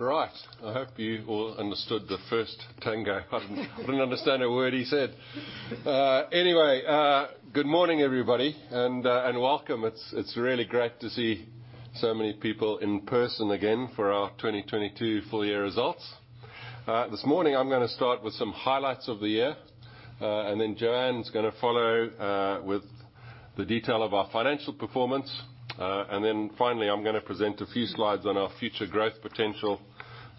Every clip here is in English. Right. I hope you all understood the first Tango. I didn't understand a word he said. Anyway, good morning, everybody, and welcome. It's really great to see so many people in person again for our 2022 full year results. This morning I'm gonna start with some highlights of the year, then Joanne's gonna follow with the detail of our financial performance. Finally, I'm gonna present a few slides on our future growth potential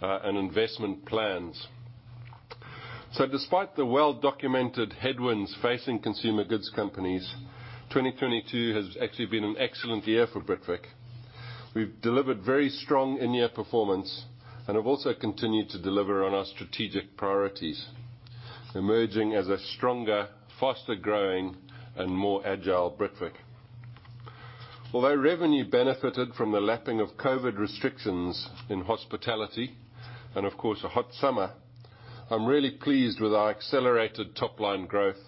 and investment plans. Despite the well-documented headwinds facing consumer goods companies, 2022 has actually been an excellent year for Britvic. We've delivered very strong in-year performance and have also continued to deliver on our strategic priorities, emerging as a stronger, faster-growing and more agile Britvic. Although revenue benefited from the lapping of COVID restrictions in hospitality, and of course, a hot summer, I'm really pleased with our accelerated top-line growth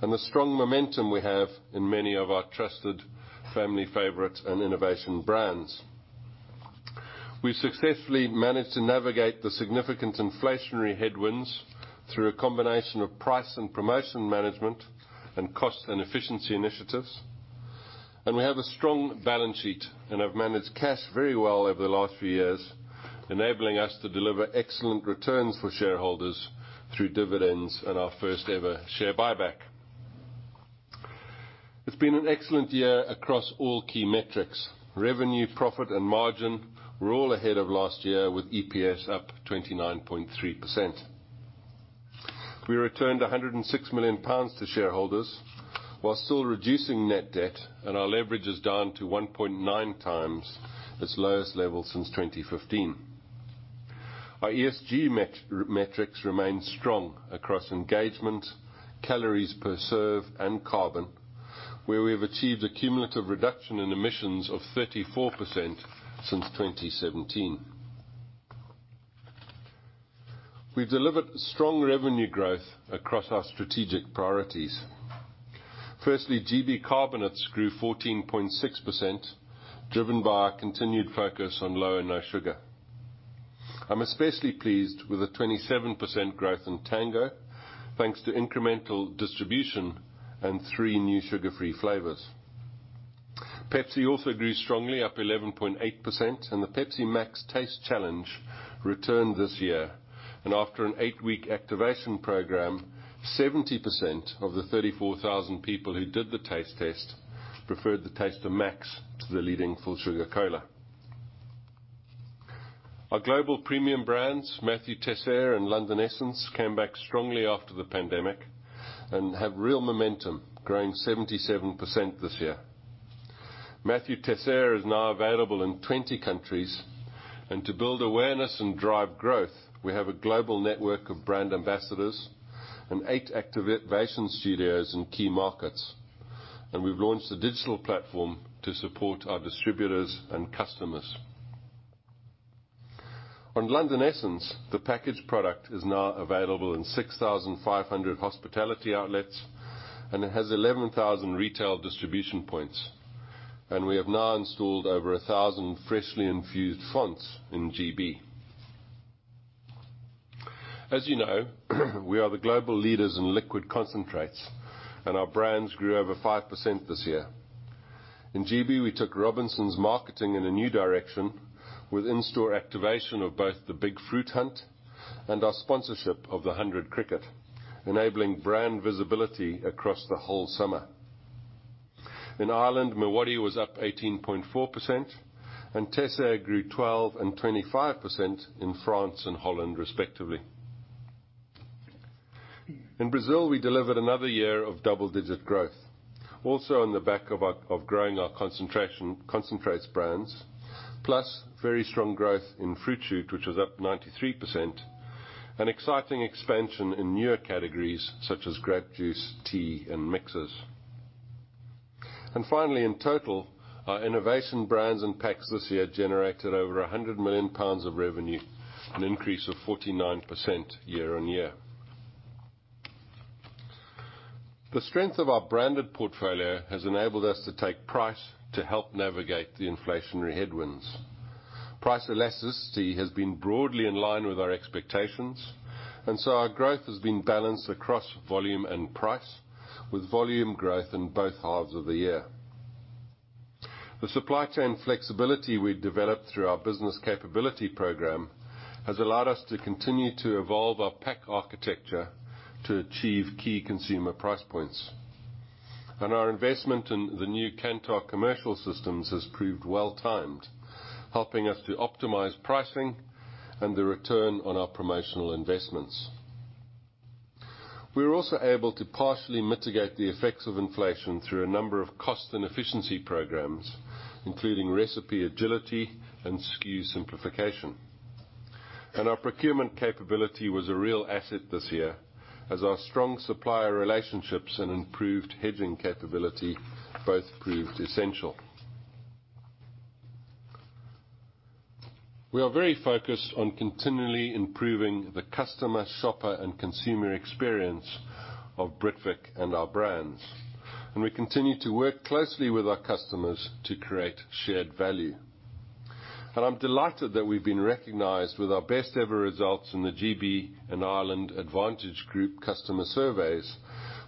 and the strong momentum we have in many of our trusted family favorites and innovation brands. We successfully managed to navigate the significant inflationary headwinds through a combination of price and promotion management and cost and efficiency initiatives. We have a strong balance sheet and have managed cash very well over the last few years, enabling us to deliver excellent returns for shareholders through dividends and our first ever share buyback. It's been an excellent year across all key metrics. Revenue, profit and margin were all ahead of last year with EPS up 29.3%. We returned 106 million pounds to shareholders while still reducing net debt. Our leverage is down to 1.9x, its lowest level since 2015. Our ESG metrics remain strong across engagement, calories per serve, and carbon, where we have achieved a cumulative reduction in emissions of 34% since 2017. We've delivered strong revenue growth across our strategic priorities. Firstly, GB carbonates grew 14.6%, driven by our continued focus on low and no sugar. I'm especially pleased with the 27% growth in Tango, thanks to incremental distribution and three new sugar-free flavors. Pepsi also grew strongly up 11.8%. The Pepsi MAX Taste challenge returned this year. After an eight-week activation program, 70% of the 34,000 people who did the taste test preferred the taste of MAX to the leading full sugar cola. Our global premium brands, Mathieu Teisseire and London Essence, came back strongly after the pandemic and have real momentum growing 77% this year. Mathieu Teisseire is now available in 20 countries, and to build awareness and drive growth, we have a global network of brand ambassadors and eight activation studios in key markets. We've launched a digital platform to support our distributors and customers. On London Essence, the packaged product is now available in 6,500 hospitality outlets, and it has 11,000 retail distribution points. We have now installed over 1,000 freshly infused fonts in GB. As you know, we are the global leaders in liquid concentrates, and our brands grew over 5% this year. In GB, we took Robinsons marketing in a new direction with in-store activation of both the Big Fruit Hunt and our sponsorship of the Hundred Cricket, enabling brand visibility across the whole summer. In Ireland, Miwadi was up 18.4%, Teisseire grew 12% and 25% in France and Holland, respectively. In Brazil, we delivered another year of double-digit growth, also on the back of growing our concentrates brands, plus very strong growth in Fruit Shoot, which was up 93%. An exciting expansion in newer categories such as grape juice, tea, and mixers. Finally, in total, our innovation brands and packs this year generated over 100 million pounds of revenue, an increase of 49% year-on-year. The strength of our branded portfolio has enabled us to take price to help navigate the inflationary headwinds. Price elasticity has been broadly in line with our expectations, and so our growth has been balanced across volume and price, with volume growth in both halves of the year. The supply chain flexibility we developed through our Business Capability Program has allowed us to continue to evolve our pack architecture to achieve key consumer price points. Our investment in the new Kantar commercial systems has proved well-timed, helping us to optimize pricing and the return on our promotional investments. We were also able to partially mitigate the effects of inflation through a number of cost and efficiency programs, including recipe agility and SKU simplification. Our procurement capability was a real asset this year as our strong supplier relationships and improved hedging capability both proved essential. We are very focused on continually improving the customer, shopper, and consumer experience of Britvic and our brands. We continue to work closely with our customers to create shared value. I'm delighted that we've been recognized with our best ever results in the GB and Ireland Advantage Group customer surveys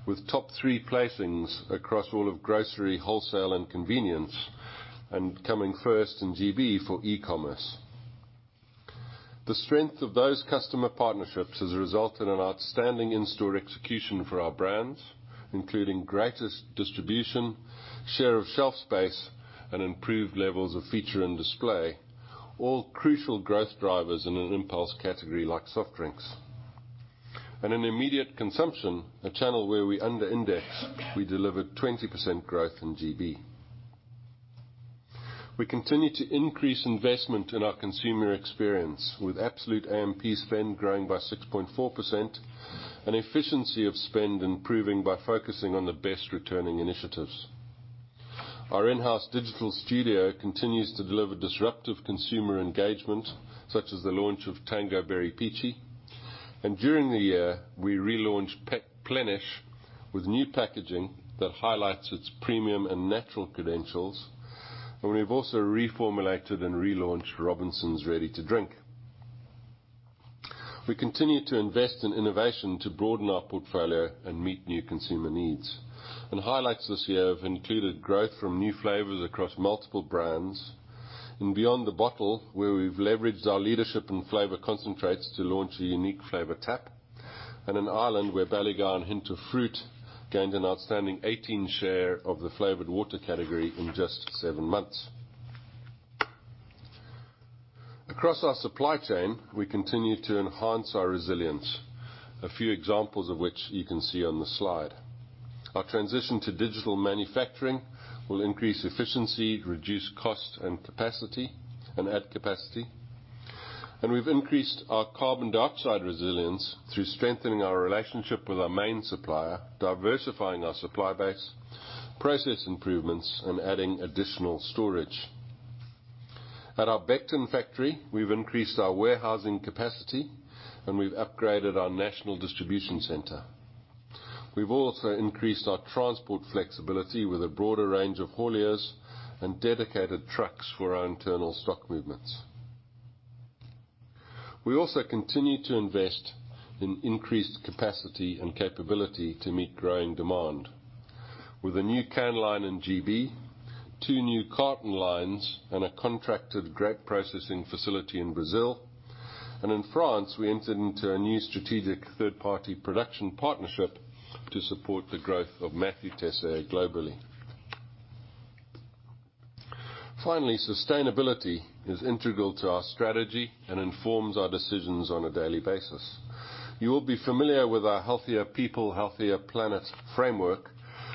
with top three placings across all of grocery, wholesale, and convenience, and coming first in GB for e-commerce. The strength of those customer partnerships has resulted in outstanding in-store execution for our brands, including greatest distribution, share of shelf space, and improved levels of feature and display, all crucial growth drivers in an impulse category like soft drinks. In immediate consumption, a channel where we under-index, we delivered 20% growth in GB. We continue to increase investment in our consumer experience with absolute AMP spend growing by 6.4% and efficiency of spend improving by focusing on the best returning initiatives. Our in-house digital studio continues to deliver disruptive consumer engagement, such as the launch of Tango Very Peachy. During the year, we relaunched Plenish with new packaging that highlights its premium and natural credentials, and we've also reformulated and relaunched Robinsons Ready to Drink. We continue to invest in innovation to broaden our portfolio and meet new consumer needs. Highlights this year have included growth from new flavors across multiple brands and beyond the bottle where we've leveraged our leadership in flavor concentrates to launch a unique flavor tap, and in Ireland, where Ballygowan Hint of Fruit gained an outstanding 18 share of the flavored water category in just seven months. Across our supply chain, we continue to enhance our resilience. A few examples of which you can see on the slide. Our transition to digital manufacturing will increase efficiency, reduce cost and capacity, and add capacity. We've increased our carbon dioxide resilience through strengthening our relationship with our main supplier, diversifying our supply base, process improvements, and adding additional storage. At our Beckton factory, we've increased our warehousing capacity, and we've upgraded our national distribution center. We've also increased our transport flexibility with a broader range of hauliers and dedicated trucks for our internal stock movements. We also continue to invest in increased capacity and capability to meet growing demand. With a new can line in GB, two new carton lines, and a contracted grape processing facility in Brazil. In France, we entered into a new strategic third-party production partnership to support the growth of Mathieu Teisseire globally. Sustainability is integral to our strategy and informs our decisions on a daily basis. You will be familiar with our Healthier People, Healthier Planet framework,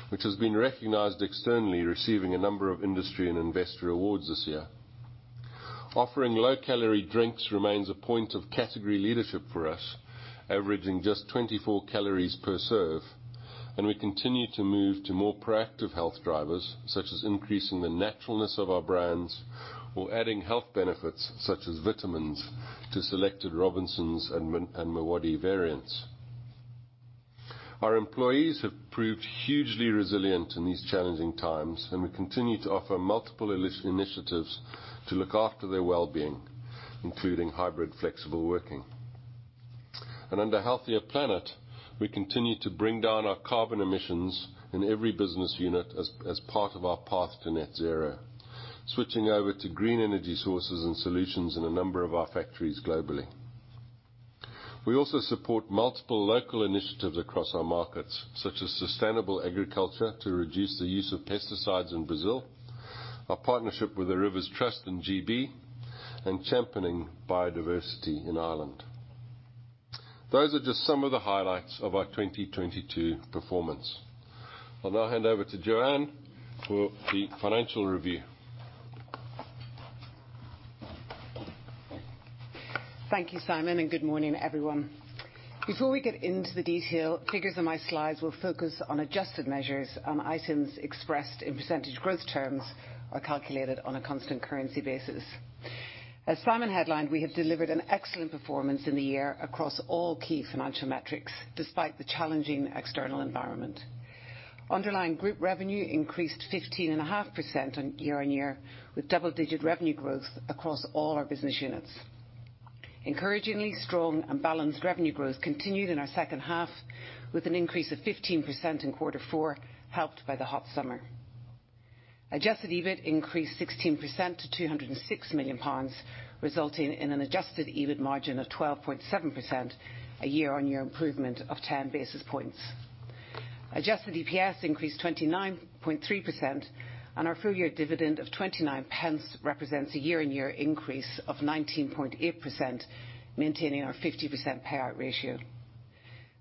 which has been recognized externally, receiving a number of industry and investor awards this year. Offering low-calorie drinks remains a point of category leadership for us, averaging just 24 calories per serve, and we continue to move to more proactive health drivers, such as increasing the naturalness of our brands or adding health benefits such as vitamins to selected Robinsons and Miwadi variants. Our employees have proved hugely resilient in these challenging times, and we continue to offer multiple initiatives to look after their well-being, including hybrid flexible working. Under Healthier Planet, we continue to bring down our carbon emissions in every business unit as part of our path to net zero, switching over to green energy sources and solutions in a number of our factories globally. We also support multiple local initiatives across our markets, such as sustainable agriculture to reduce the use of pesticides in Brazil, our partnership with The Rivers Trust in GB, and championing biodiversity in Ireland. Those are just some of the highlights of our 2022 performance. I'll now hand over to Joanne for the financial review. Thank you, Simon, and good morning, everyone. Before we get into the detail, figures in my slides will focus on adjusted measures, and items expressed in percentage growth terms are calculated on a constant currency basis. As Simon headlined, we have delivered an excellent performance in the year across all key financial metrics despite the challenging external environment. Underlying group revenue increased 15.5% year-over-year with double-digit revenue growth across all our business units. Encouragingly strong and balanced revenue growth continued in our second half with an increase of 15% in quarter four, helped by the hot summer. Adjusted EBIT increased 16% to 206 million pounds, resulting in an adjusted EBIT margin of 12.7%, a year-over-year improvement of 10 basis points. Adjusted EPS increased 29.3%. Our full year dividend of 29 pence represents a year-over-year increase of 19.8%, maintaining our 50% payout ratio.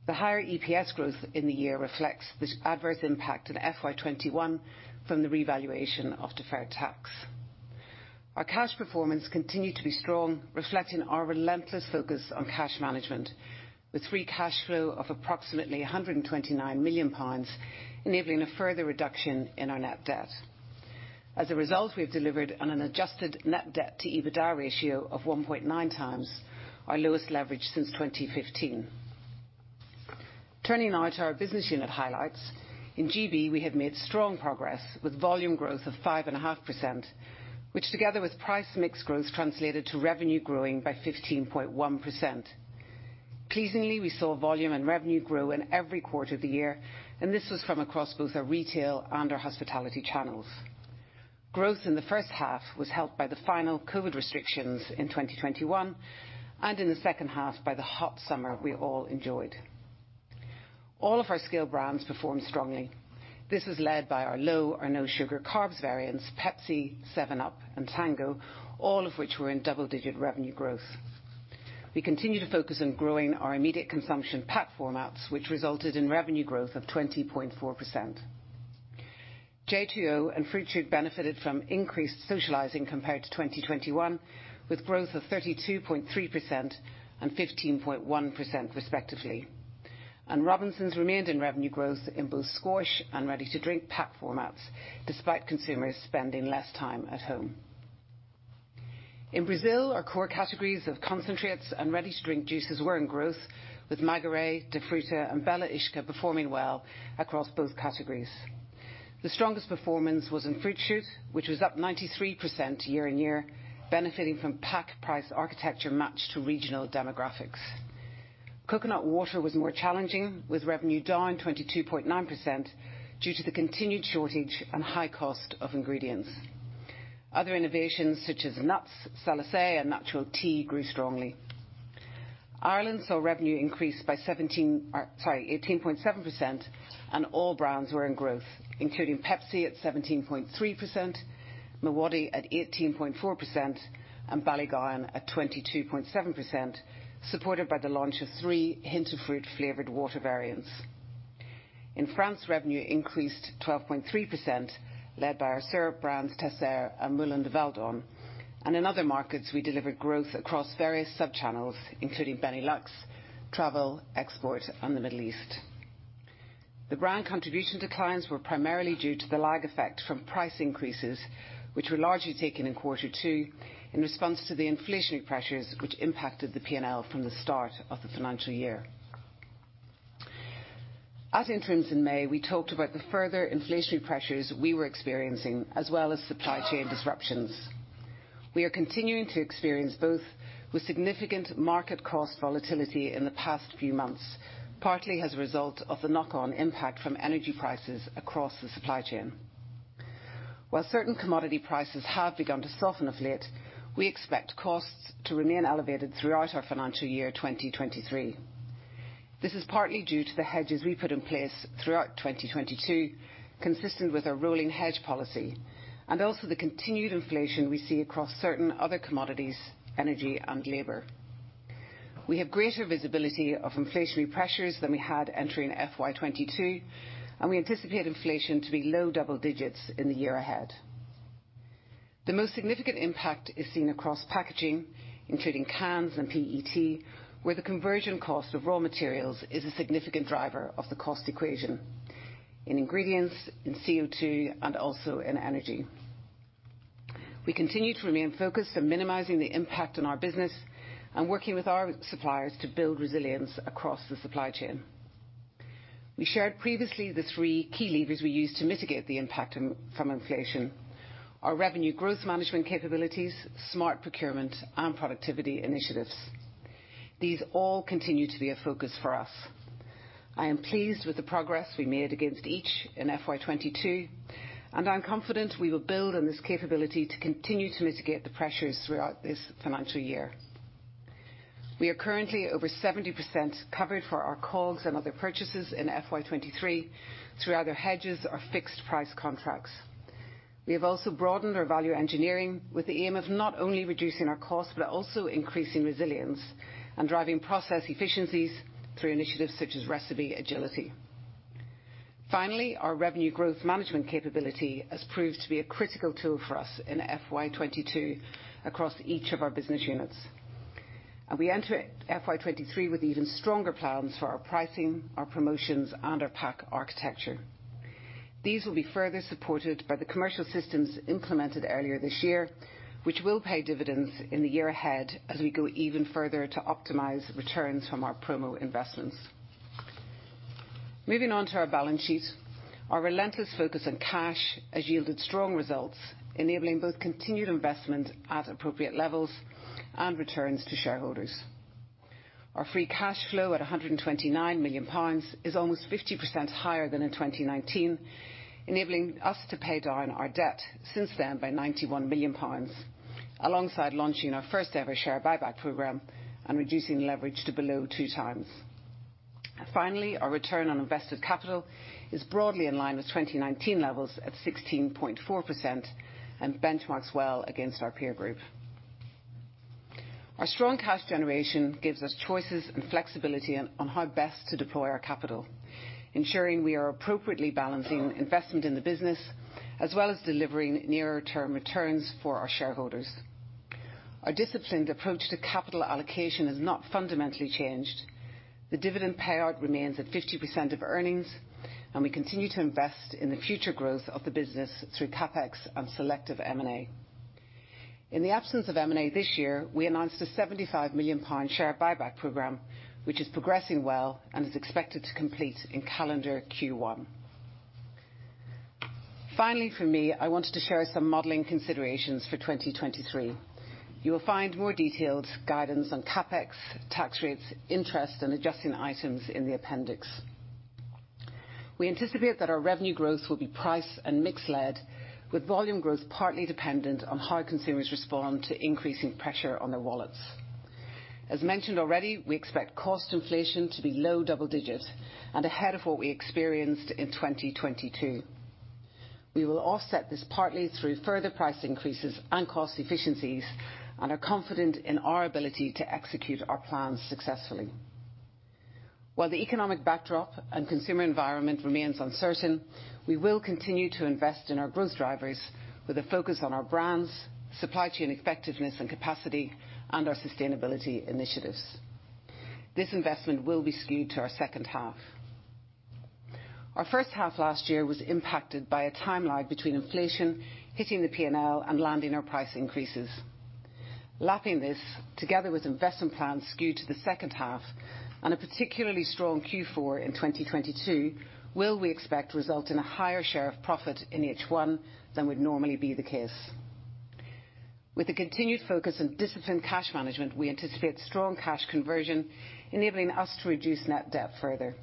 The higher EPS growth in the year reflects the adverse impact in FY 2021 from the revaluation of deferred tax. Our cash performance continued to be strong, reflecting our relentless focus on cash management, with free cash flow of approximately 129 million pounds, enabling a further reduction in our net debt. As a result, we have delivered on an adjusted net debt to EBITDA ratio of 1.9 times, our lowest leverage since 2015. Turning now to our business unit highlights. In GB, we have made strong progress with volume growth of 5.5%, which together with price mix growth translated to revenue growing by 15.1%. Pleasingly, we saw volume and revenue grow in every quarter of the year, and this was from across both our retail and our hospitality channels. Growth in the first half was helped by the final COVID restrictions in 2021 and in the second half by the hot summer we all enjoyed. All of our scale brands performed strongly. This was led by our low or no sugar carbs variants, Pepsi, 7UP, and Tango, all of which were in double-digit revenue growth. We continue to focus on growing our immediate consumption pack formats, which resulted in revenue growth of 20.4%. J2O and Fruit Shoot benefited from increased socializing compared to 2021, with growth of 32.3% and 15.1% respectively. Robinsons remained in revenue growth in both squash and ready-to-drink pack formats despite consumers spending less time at home. In Brazil, our core categories of concentrates and ready-to-drink juices were in growth, with Maguary, Dafruta, and Bela Ischia performing well across both categories. The strongest performance was in Fruit Shoot, which was up 93% year-on-year benefiting from pack price architecture matched to regional demographics. Coconut water was more challenging with revenue down 22.9% due to the continued shortage and high cost of ingredients. Other innovations such as nuts, Salus, and Natural Tea grew strongly. Ireland saw revenue increase by 18.7% and all brands were in growth, including Pepsi at 17.3%, Miwadi at 18.4%, and Ballygowan at 22.7%, supported by the launch of three Hint of Fruit flavored water variants. In France, revenue increased 12.3%, led by our syrup brands, Teisseire and Moulin de Valdonne. In other markets, we delivered growth across various sub-channels, including Benelux, travel, export, and the Middle East. The brand contribution declines were primarily due to the lag effect from price increases, which were largely taken in quarter two in response to the inflationary pressures which impacted the P&L from the start of the financial year. At interims in May, we talked about the further inflationary pressures we were experiencing, as well as supply chain disruptions. We are continuing to experience both with significant market cost volatility in the past few months, partly as a result of the knock-on impact from energy prices across the supply chain. Certain commodity prices have begun to soften of late, we expect costs to remain elevated throughout our financial year 2023. This is partly due to the hedges we put in place throughout 2022, consistent with our rolling hedge policy, and also the continued inflation we see across certain other commodities, energy and labor. We have greater visibility of inflationary pressures than we had entering FY 2022, and we anticipate inflation to be low double digits in the year ahead. The most significant impact is seen across packaging, including cans and PET, where the conversion cost of raw materials is a significant driver of the cost equation in ingredients, in CO2, and also in energy. We continue to remain focused on minimizing the impact on our business and working with our suppliers to build resilience across the supply chain. We shared previously the three key levers we use to mitigate the impact from inflation, our revenue growth management capabilities, smart procurement, and productivity initiatives. These all continue to be a focus for us. I am pleased with the progress we made against each in FY 2022. I'm confident we will build on this capability to continue to mitigate the pressures throughout this financial year. We are currently over 70% covered for our COGS and other purchases in FY 2023 through either hedges or fixed price contracts. We have also broadened our value engineering with the aim of not only reducing our cost, but also increasing resilience and driving process efficiencies through initiatives such as recipe agility. Finally, our revenue growth management capability has proved to be a critical tool for us in FY 2022 across each of our business units. We enter FY 2023 with even stronger plans for our pricing, our promotions, and our pack architecture. These will be further supported by the commercial systems implemented earlier this year, which will pay dividends in the year ahead as we go even further to optimize returns from our promo investments. Moving on to our balance sheet. Our relentless focus on cash has yielded strong results, enabling both continued investment at appropriate levels and returns to shareholders. Our free cash flow at 129 million pounds is almost 50% higher than in 2019, enabling us to pay down our debt since then by 91 million pounds, alongside launching our first-ever share buyback program and reducing leverage to below 2 times. Finally, our return on invested capital is broadly in line with 2019 levels at 16.4% and benchmarks well against our peer group. Our strong cash generation gives us choices and flexibility on how best to deploy our capital, ensuring we are appropriately balancing investment in the business, as well as delivering nearer term returns for our shareholders. Our disciplined approach to capital allocation has not fundamentally changed. The dividend payout remains at 50% of earnings. We continue to invest in the future growth of the business through CapEx and selective M&A. In the absence of M&A this year, we announced a 75 million pound share buyback program, which is progressing well and is expected to complete in calendar Q1. Finally, for me, I wanted to share some modeling considerations for 2023. You will find more detailed guidance on CapEx, tax rates, interest, and adjusting items in the appendix. We anticipate that our revenue growth will be price and mix led, with volume growth partly dependent on how consumers respond to increasing pressure on their wallets. As mentioned already, we expect cost inflation to be low double digits and ahead of what we experienced in 2022. We will offset this partly through further price increases and cost efficiencies and are confident in our ability to execute our plans successfully. While the economic backdrop and consumer environment remains uncertain, we will continue to invest in our growth drivers with a focus on our brands, supply chain effectiveness and capacity, and our sustainability initiatives. This investment will be skewed to our second half. Our first half last year was impacted by a timeline between inflation hitting the P&L and landing our price increases. Lapping this, together with investment plans skewed to the second half and a particularly strong Q4 in 2022, will, we expect, result in a higher share of profit in H1 than would normally be the case. With a continued focus on disciplined cash management, we anticipate strong cash conversion, enabling us to reduce net debt further.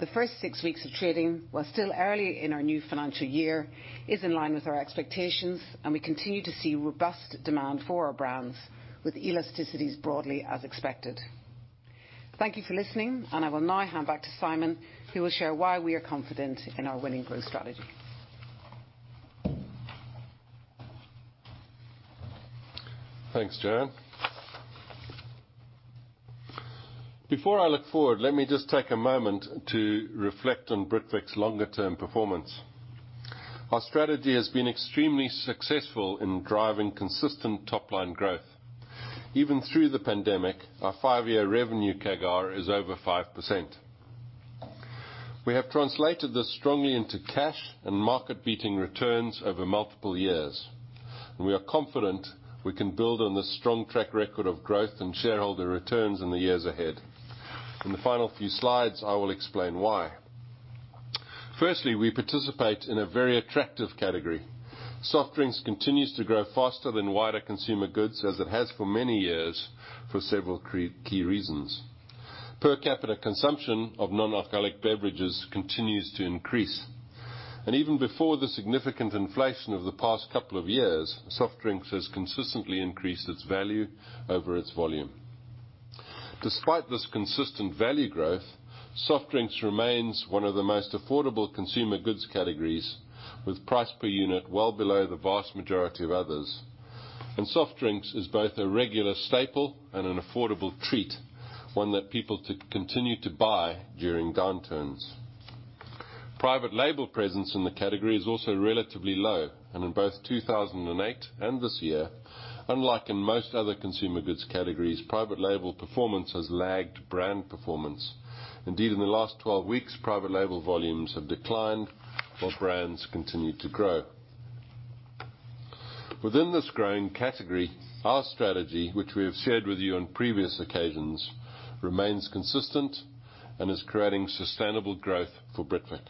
The first six weeks of trading, while still early in our new financial year, is in line with our expectations and we continue to see robust demand for our brands with elasticities broadly as expected. Thank you for listening. I will now hand back to Simon, who will share why we are confident in our winning growth strategy. Thanks, Joanne. Before I look forward, let me just take a moment to reflect on Britvic's longer term performance. Our strategy has been extremely successful in driving consistent top line growth. Even through the pandemic, our five-year revenue CAGR is over 5%. We have translated this strongly into cash and market beating returns over multiple years. We are confident we can build on this strong track record of growth and shareholder returns in the years ahead. In the final few slides, I will explain why. Firstly, we participate in a very attractive category. Soft drinks continues to grow faster than wider consumer goods, as it has for many years for several key reasons. Per capita consumption of non-alcoholic beverages continues to increase. Even before the significant inflation of the past couple of years, soft drinks has consistently increased its value over its volume. Despite this consistent value growth, soft drinks remains one of the most affordable consumer goods categories, with price per unit well below the vast majority of others. Soft drinks is both a regular staple and an affordable treat, one that people continue to buy during downturns. Private label presence in the category is also relatively low. In both 2008 and this year, unlike in most other consumer goods categories, private label performance has lagged brand performance. Indeed, in the last 12 weeks, private label volumes have declined while brands continue to grow. Within this growing category, our strategy, which we have shared with you on previous occasions, remains consistent and is creating sustainable growth for Britvic.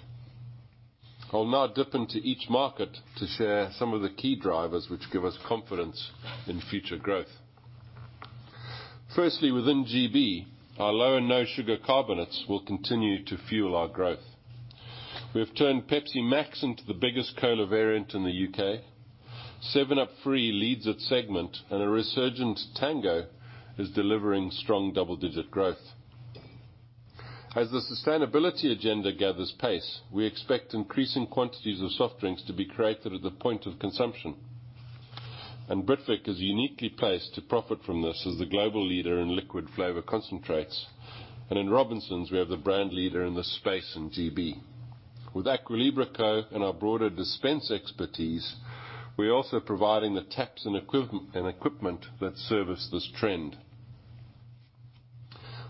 I'll now dip into each market to share some of the key drivers which give us confidence in future growth. Firstly, within GB, our low and no sugar carbonates will continue to fuel our growth. We have turned Pepsi MAX into the biggest cola variant in the U.K. 7UP Free leads its segment, and a resurgent Tango is delivering strong double-digit growth. As the sustainability agenda gathers pace, we expect increasing quantities of soft drinks to be created at the point of consumption. Britvic is uniquely placed to profit from this as the global leader in liquid flavor concentrates. In Robinsons, we have the brand leader in this space in GB. With Aqua Libra Co and our broader dispense expertise, we are also providing the taps and equipment that service this trend.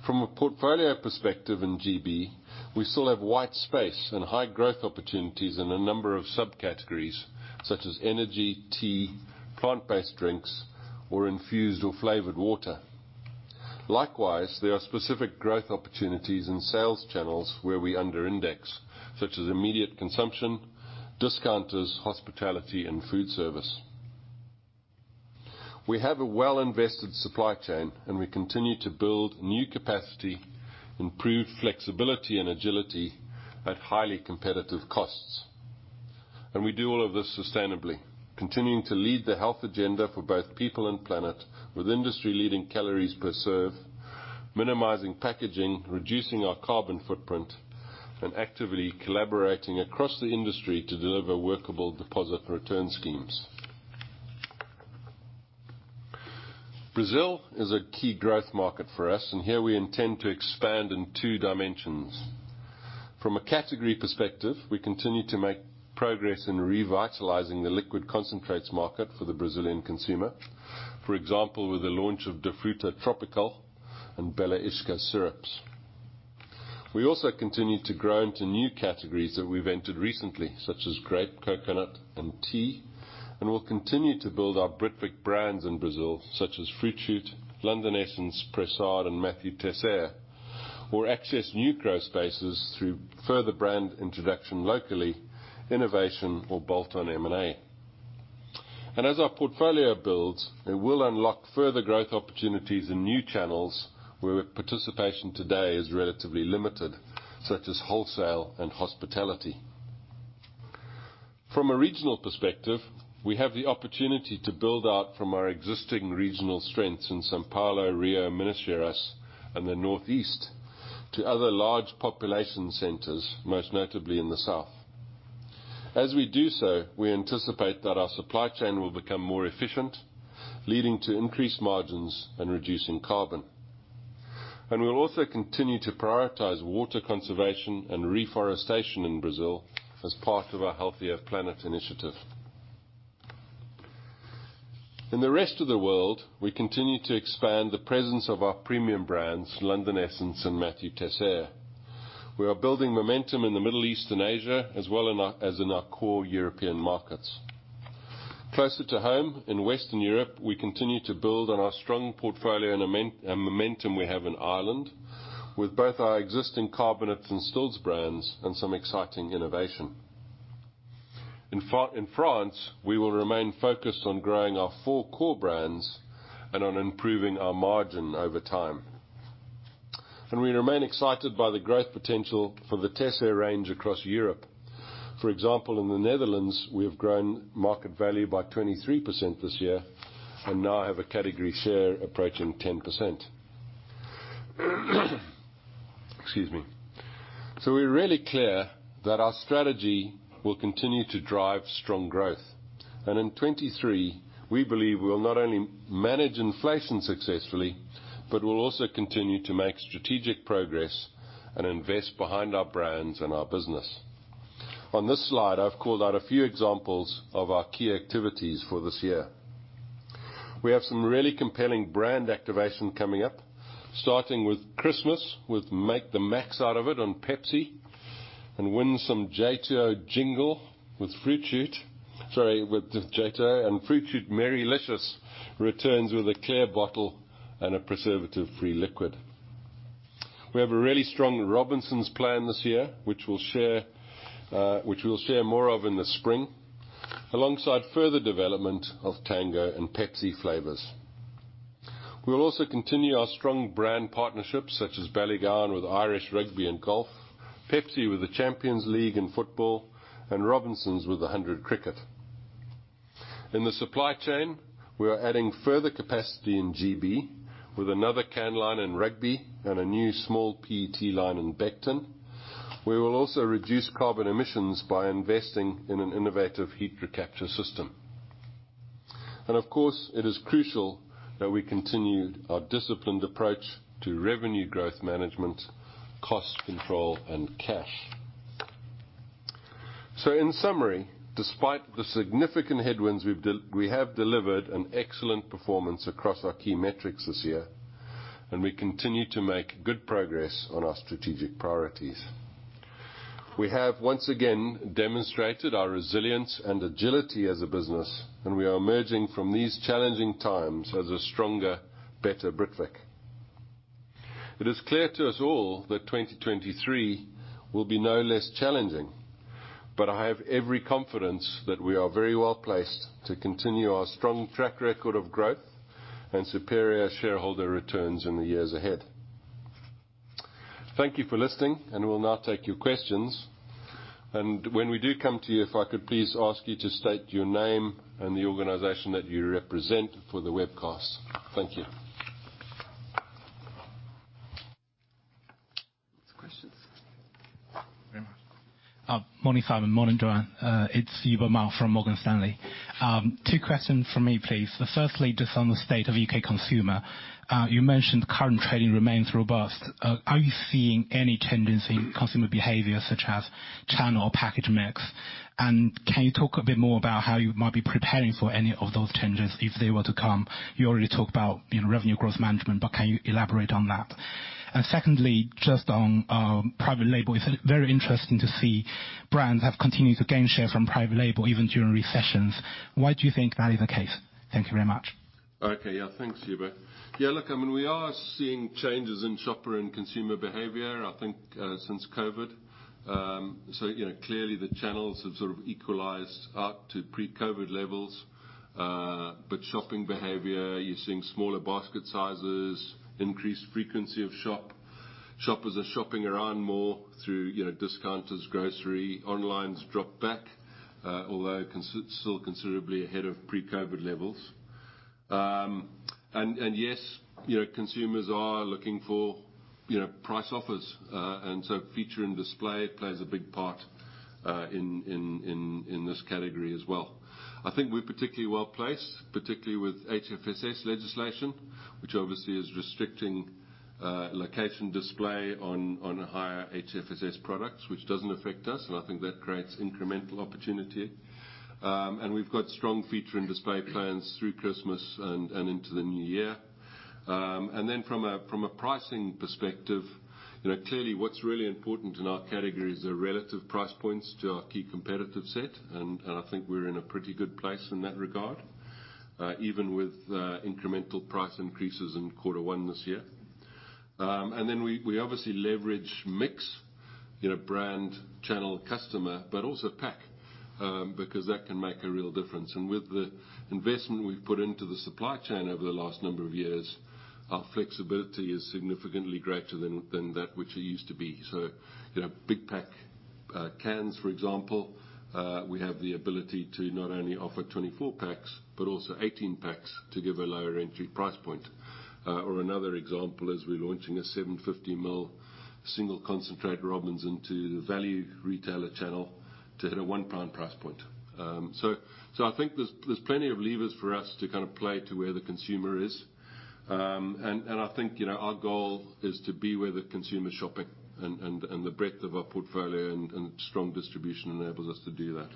From a portfolio perspective in GB, we still have white space and high growth opportunities in a number of subcategories, such as energy, tea, plant-based drinks, or infused or flavored water. Likewise, there are specific growth opportunities in sales channels where we under index, such as immediate consumption, discounters, hospitality, and food service. We have a well-invested supply chain, we continue to build new capacity, improve flexibility and agility at highly competitive costs. We do all of this sustainably, continuing to lead the health agenda for both people and planet with industry-leading calories per serve, minimizing packaging, reducing our carbon footprint, and actively collaborating across the industry to deliver workable deposit return schemes. Brazil is a key growth market for us, here we intend to expand in two dimensions. From a category perspective, we continue to make progress in revitalizing the liquid concentrates market for the Brazilian consumer. For example, with the launch of Dafruta Tropical and Bela Ischia syrups. We also continue to grow into new categories that we've entered recently, such as grape, coconut, and tea. We'll continue to build our Britvic brands in Brazil, such as Fruit Shoot, London Essence, Pressade, and Mathieu Teisseire. Access new growth spaces through further brand introduction locally, innovation or bolt-on M&A. As our portfolio builds, it will unlock further growth opportunities in new channels where participation today is relatively limited, such as wholesale and hospitality. From a regional perspective, we have the opportunity to build out from our existing regional strengths in São Paulo, Rio, Minas Gerais, and the Northeast to other large population centers, most notably in the South. As we do so, we anticipate that our supply chain will become more efficient, leading to increased margins and reducing carbon. We'll also continue to prioritize water conservation and reforestation in Brazil as part of our Healthier Planet initiative. In the rest of the world, we continue to expand the presence of our premium brands, London Essence and Mathieu Teisseire. We are building momentum in the Middle East and Asia, as well as in our core European markets. Closer to home, in Western Europe, we continue to build on our strong portfolio and momentum we have in Ireland with both our existing carbonates and stills brands and some exciting innovation. In France, we will remain focused on growing our four core brands and on improving our margin over time. We remain excited by the growth potential for the Teisseire range across Europe. For example, in the Netherlands, we have grown market value by 23% this year and now have a category share approaching 10%. Excuse me. We're really clear that our strategy will continue to drive strong growth. In 23 we believe we'll not only manage inflation successfully, but we'll also continue to make strategic progress and invest behind our brands and our business. On this slide, I've called out a few examples of our key activities for this year. We have some really compelling brand activation coming up, starting with Christmas, with Make the Max out of It on Pepsi and Win Some J2O Jingle with Fruit Shoot. Sorry, with J2O and Fruit Shoot Merry-Licious returns with a clear bottle and a preservative-free liquid. We have a really strong Robinsons plan this year, which we'll share, which we'll share more of in the spring, alongside further development of Tango and Pepsi flavors. We'll also continue our strong brand partnerships such as Ballygowan with Irish rugby and golf, Pepsi with the Champions League in football, and Robinsons with The Hundred cricket. In the supply chain, we are adding further capacity in GB with another can line in Rugby and a new small PET line in Beckton. Of course, it is crucial that we continue our disciplined approach to revenue growth management, cost control, and cash. In summary, despite the significant headwinds we have delivered an excellent performance across our key metrics this year, and we continue to make good progress on our strategic priorities. We have once again demonstrated our resilience and agility as a business, and we are emerging from these challenging times as a stronger, better Britvic. It is clear to us all that 2023 will be no less challenging. I have every confidence that we are very well placed to continue our strong track record of growth and superior shareholder returns in the years ahead. Thank you for listening. We'll now take your questions. When we do come to you, if I could please ask you to state your name and the organization that you represent for the webcast. Thank you. Questions. Morning, Simon, morning, Joanne. It's Pinar Ergun from Morgan Stanley. Two questions from me, please. The first just on the state of UK consumer. You mentioned current trading remains robust. Are you seeing any tendency in consumer behavior, such as channel or package mix? Can you talk a bit more about how you might be preparing for any of those changes if they were to come? You already talked about, you know, revenue growth management, but can you elaborate on that? Secondly, just on private label. It's very interesting to see brands have continued to gain share from private label even during recessions. Why do you think that is the case? Thank you very much. Okay. Yeah, thanks, Ergun. Yeah, look, I mean, we are seeing changes in shopper and consumer behavior, I think, since COVID. You know, clearly the channels have sort of equalized up to pre-COVID levels. But shopping behavior, you're seeing smaller basket sizes, increased frequency of shop. Shoppers are shopping around more through, you know, discounters, grocery. Online's dropped back, although still considerably ahead of pre-COVID levels. Yes, you know, consumers are looking for, you know, price offers. Feature and display plays a big part. In this category as well. I think we're particularly well-placed, particularly with HFSS legislation, which obviously is restricting location display on higher HFSS products, which doesn't affect us, and I think that creates incremental opportunity. We've got strong feature and display plans through Christmas and into the new year. From a pricing perspective, you know, clearly what's really important in our category is the relative price points to our key competitive set, and I think we're in a pretty good place in that regard, even with incremental price increases in quarter one this year. We obviously leverage mix in a brand, channel, customer, but also pack, because that can make a real difference. With the investment we've put into the supply chain over the last number of years, our flexibility is significantly greater than that which it used to be. you know, big pack, cans, for example, we have the ability to not only offer 24 packs, but also 18 packs to give a lower entry price point. Another example is we're launching a 750 mil single concentrate Robinsons into the value retailer channel to hit a 1 pound price point. I think there's plenty of levers for us to kind of play to where the consumer is. I think, you know, our goal is to be where the consumer's shopping and the breadth of our portfolio and strong distribution enables us to do that.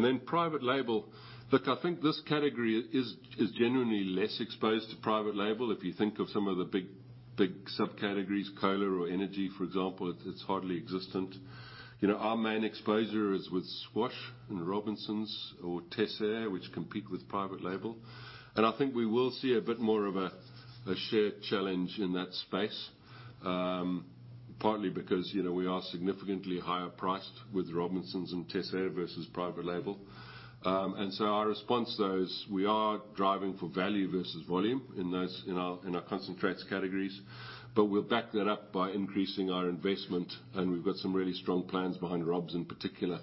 Then private label. Look, I think this category is generally less exposed to private label. If you think of some of the big subcategories, cola or energy, for example, it's hardly existent. You know, our main exposure is with squash and Robinsons or Teisseire, which compete with private label. I think we will see a bit more of a shared challenge in that space, partly because, you know, we are significantly higher priced with Robinsons and Teisseire versus private label. Our response to those, we are driving for value versus volume in our concentrates categories, but we'll back that up by increasing our investment, and we've got some really strong plans behind Robs in particular,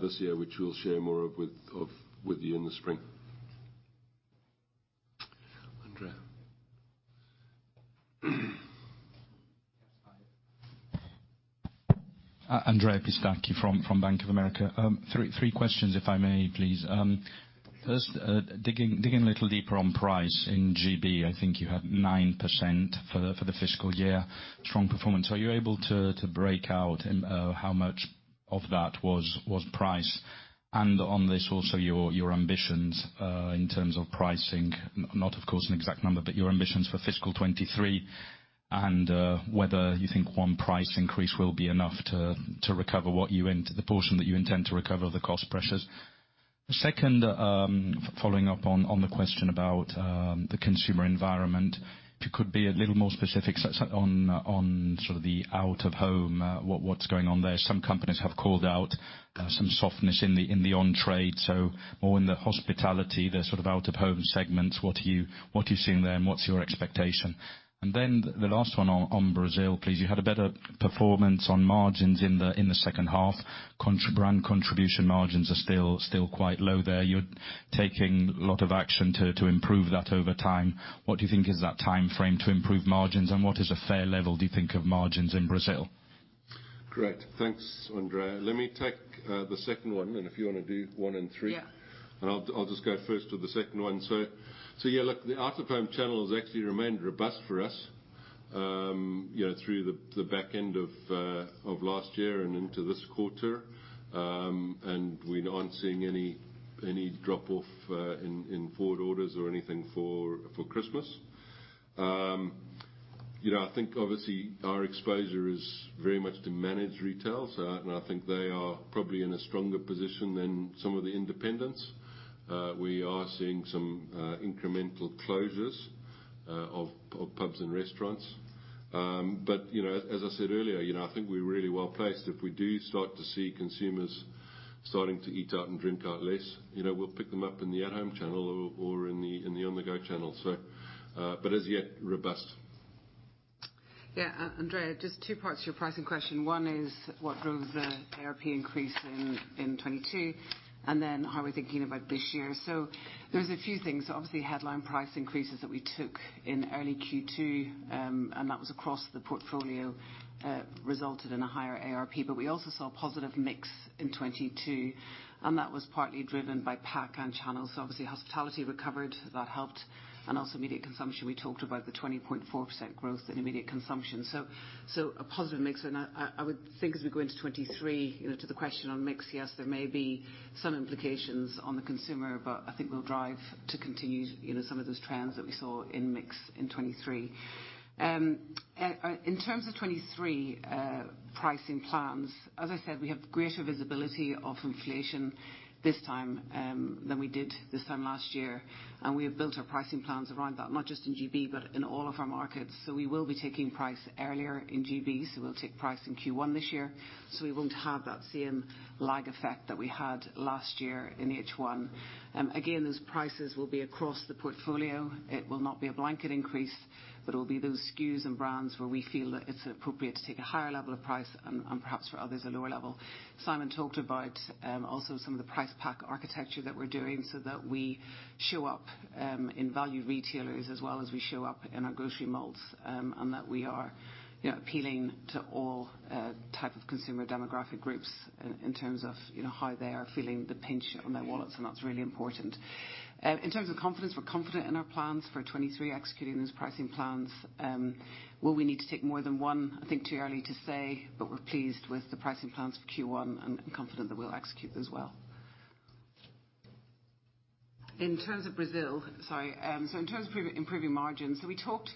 this year, which we'll share more of with you in the spring. Andrea? Andrea Pistacchi from Bank of America. Three questions if I may, please. First, digging a little deeper on price in GB, I think you had 9% for the fiscal year. Strong performance. Are you able to break out how much of that was price? On this also your ambitions in terms of pricing. Not of course an exact number, but your ambitions for fiscal 23, whether you think one price increase will be enough to recover the portion that you intend to recover the cost pressures. The second, following up on the question about the consumer environment. If you could be a little more specific so on sort of the out of home, what's going on there. Some companies have called out some softness in the on trade, so more in the hospitality, the sort of out of home segments. What are you seeing there and what's your expectation? The last one on Brazil, please. You had a better performance on margins in the second half. Brand contribution margins are still quite low there. You're taking a lot of action to improve that over time. What do you think is that timeframe to improve margins? What is a fair level do you think of margins in Brazil? Great. Thanks, Andrea. Let me take the second one, and if you want to do one and three. Yeah. I'll just go first to the second one. Yeah, look, the out of home channel has actually remained robust for us, you know, through the back end of last year and into this quarter. We aren't seeing any drop-off in forward orders or anything for Christmas. You know, I think obviously our exposure is very much to manage retail, so. I think they are probably in a stronger position than some of the independents. We are seeing some incremental closures of pubs and restaurants. You know, as I said earlier, you know, I think we're really well-placed. If we do start to see consumers starting to eat out and drink out less, you know, we'll pick them up in the at home channel or in the, in the on-the-go channel. As yet, robust. Yeah. Andrea, just two parts to your pricing question. One is what drove the ARP increase in 2022, then how are we thinking about this year? There's a few things. Obviously, headline price increases that we took in early Q2, that was across the portfolio, resulted in a higher ARP. We also saw positive mix in 2022, that was partly driven by pack and channels. Obviously hospitality recovered, that helped, and also immediate consumption. We talked about the 20.4% growth in immediate consumption. A positive mix. I would think as we go into 2023, you know, to the question on mix, yes, there may be some implications on the consumer, I think we'll drive to continue, you know, some of those trends that we saw in mix in 2023. In terms of 2023 pricing plans, as I said, we have greater visibility of inflation this time than we did this time last year. We have built our pricing plans around that, not just in GB, but in all of our markets. We will be taking price earlier in GB. We'll take price in Q1 this year. We won't have that same lag effect that we had last year in H1. Again, those prices will be across the portfolio. It will not be a blanket increase, but it'll be those SKUs and brands where we feel that it's appropriate to take a higher level of price and perhaps for others a lower level. Simon talked about also some of the price pack architecture that we're doing so that we show up in value retailers as well as we show up in our grocery multiples, and that we are, you know, appealing to all type of consumer demographic groups in terms of, you know, how they are feeling the pinch on their wallets, and that's really important. In terms of confidence, we're confident in our plans for 2023, executing those pricing plans. Will we need to take more than one? I think too early to say, but we're pleased with the pricing plans for Q1 and confident that we'll execute those well. In terms of Brazil. Sorry. In terms of improving margins, we talked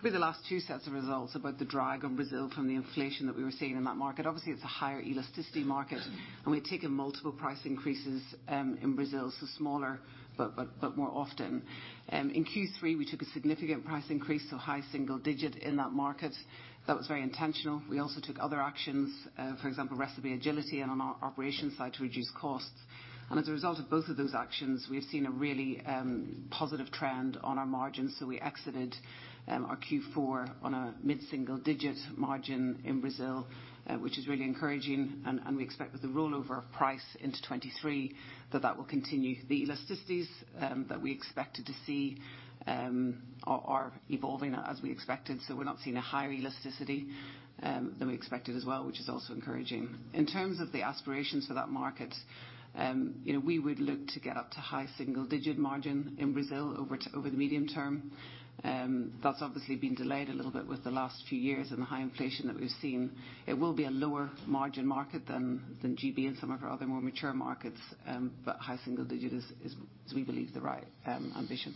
through the last two sets of results about the drag on Brazil from the inflation that we were seeing in that market. Obviously, it's a higher elasticity market, and we've taken multiple price increases in Brazil, so smaller but more often. In Q3, we took a significant price increase, so high single digit in that market. That was very intentional. We also took other actions, for example, recipe agility and on our operations side to reduce costs. As a result of both of those actions, we've seen a really positive trend on our margins, so we exited our Q4 on a mid-single digit margin in Brazil, which is really encouraging. We expect with the rollover of price into 2023, that that will continue. The elasticities that we expected to see are evolving as we expected, so we're not seeing a higher elasticity than we expected as well, which is also encouraging. In terms of the aspirations for that market, you know, we would look to get up to high single-digit margin in Brazil over the medium term. That's obviously been delayed a little bit with the last few years and the high inflation that we've seen. It will be a lower margin market than GB and some of our other more mature markets, but high single-digit is we believe, the right ambition.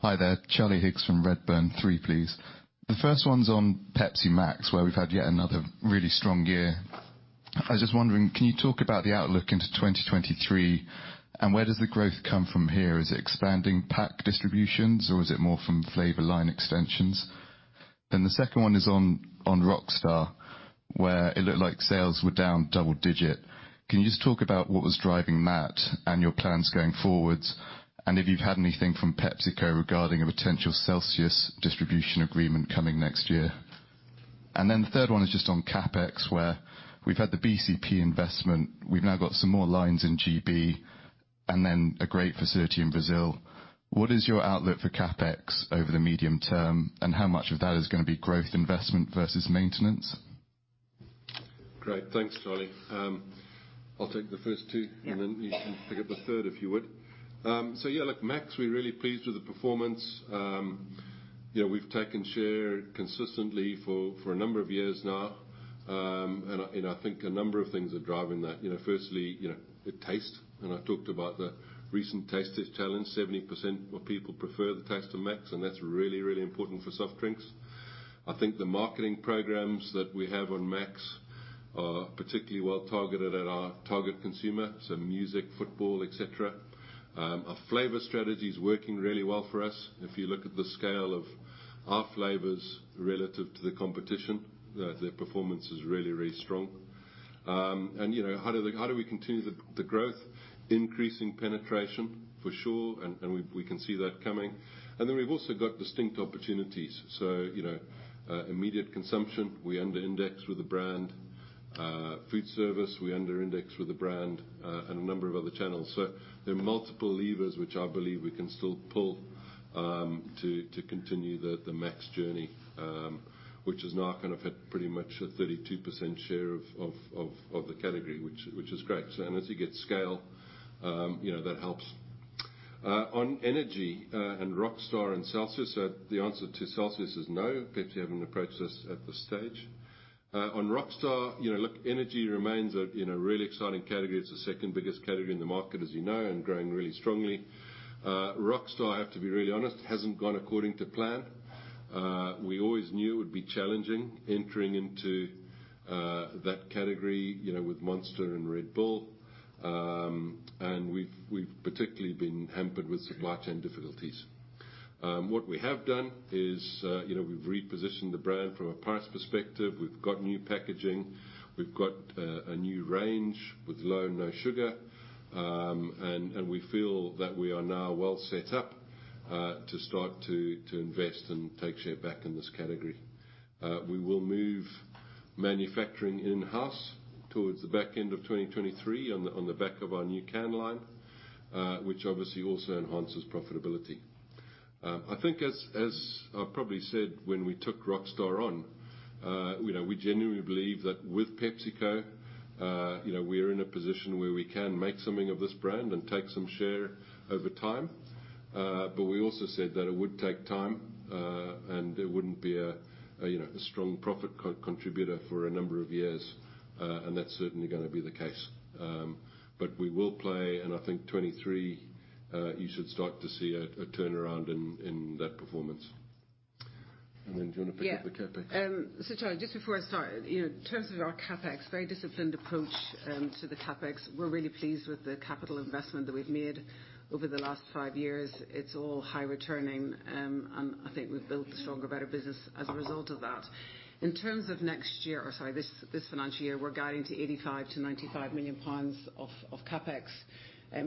Hi there, Charlie Higgs from Redburn. Three, please. The first one's on Pepsi MAX, where we've had yet another really strong year. I was just wondering, can you talk about the outlook into 2023, and where does the growth come from here? Is it expanding pack distributions, or is it more from flavor line extensions? The second one is on Rockstar, where it looked like sales were down double digit. Can you just talk about what was driving that and your plans going forwards, and if you've had anything from PepsiCo regarding a potential Celsius distribution agreement coming next year? The third one is just on CapEx, where we've had the BCP investment. We've now got some more lines in GB and then a great facility in Brazil. What is your outlook for CapEx over the medium term, and how much of that is gonna be growth investment versus maintenance? Great. Thanks, Charlie. I'll take the first two. Yeah. Then you can pick up the third if you would. Yeah, look, Pepsi MAX, we're really pleased with the performance. You know, we've taken share consistently for a number of years now. I think a number of things are driving that. You know, firstly, you know, the taste, and I talked about the recent taste challenge. 70% of people prefer the taste of Pepsi MAX, and that's really, really important for soft drinks. I think the marketing programs that we have on Pepsi MAX are particularly well targeted at our target consumer, so music, football, etc. Our flavor strategy is working really well for us. If you look at the scale of our flavors relative to the competition, the performance is really, really strong. And, you know, how do we continue the growth? Increasing penetration for sure, and we can see that coming. Then we've also got distinct opportunities. You know, immediate consumption, we under-index with the brand. Food service, we under-index with the brand, and a number of other channels. There are multiple levers which I believe we can still pull to continue the MAX journey, which has now kind of hit pretty much a 32% share of the category, which is great. As you get scale, you know, that helps. On energy, and Rockstar and Celsius, the answer to Celsius is no. Pepsi haven't approached us at this stage. On Rockstar, you know, look, energy remains a, you know, really exciting category. It's the second biggest category in the market, as you know, and growing really strongly. Rockstar, I have to be really honest, hasn't gone according to plan. We always knew it would be challenging entering into that category, you know, with Monster and Red Bull. We've particularly been hampered with supply chain difficulties. What we have done is, you know, we've repositioned the brand from a price perspective. We've got new packaging. We've got a new range with low and no sugar. We feel that we are now well set up to start to invest and take share back in this category. We will move manufacturing in-house towards the back end of 2023 on the back of our new can line, which obviously also enhances profitability. I think as I probably said when we took Rockstar on, you know, we genuinely believe that with PepsiCo, you know, we are in a position where we can make something of this brand and take some share over time. But we also said that it would take time, and it wouldn't be, you know, a strong profit co-contributor for a number of years, and that's certainly gonna be the case. But we will play, and I think 2023, you should start to see a turnaround in that performance. Do you want to pick up the CapEx? Yeah. Charlie, just before I start, you know, in terms of our CapEx, very disciplined approach to the CapEx. We're really pleased with the capital investment that we've made over the last five years. It's all high returning, and I think we've built a stronger, better business as a result of that. Or sorry, in terms of this financial year, we're guiding to 85 million-95 million pounds of CapEx.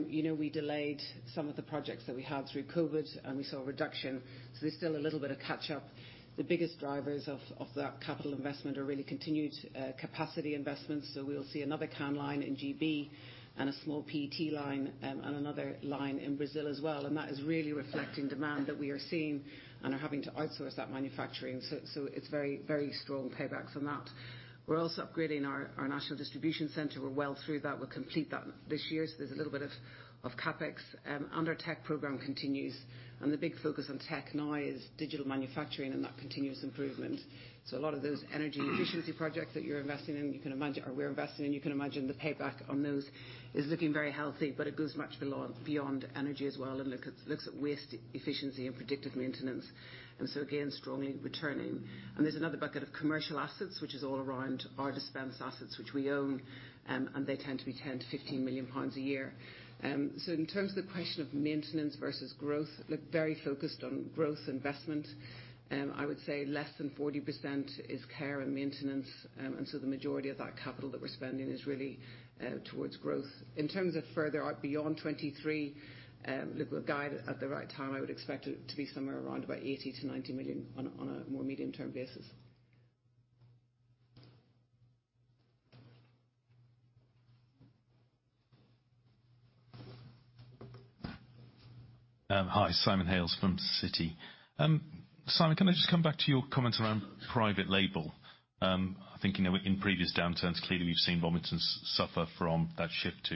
You know, we delayed some of the projects that we had through COVID, we saw a reduction, there's still a little bit of catch-up. The biggest drivers of that capital investment are really continued capacity investments. We'll see another can line in GB and a small PET line, and another line in Brazil as well. That is really reflecting demand that we are seeing and are having to outsource that manufacturing. It's very, very strong payback from that. We're also upgrading our national distribution center. We're well through that. We'll complete that this year, there's a little bit of CapEx. Our tech program continues. The big focus on tech now is digital manufacturing and that continuous improvement. A lot of those energy efficiency projects that you're investing in, you can imagine, we're investing in, you can imagine the payback on those is looking very healthy, but it goes much beyond energy as well, and looks at waste efficiency and predictive maintenance. Again, strongly returning. There's another bucket of commercial aspartame, which is all around our dispense aspartame, which we own, and they tend to be 10 million-15 million pounds a year. In terms of the question of maintenance versus growth, look, very focused on growth investment. I would say less than 40% is care and maintenance. The majority of that capital that we're spending is really towards growth. In terms of further out beyond 2023, look, we'll guide at the right time. I would expect it to be somewhere around about 80 million-90 million on a more medium-term basis. Hi, Simon Hales from Citi. Simon, can I just come back to your comments around private label? I think, you know, in previous downturns, clearly you've seen Robinsons suffer from that shift